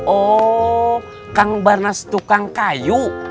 oh kang barnas tukang kayu